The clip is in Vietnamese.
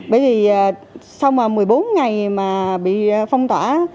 bởi vì sau mà một mươi bốn ngày mà bị phong tỏa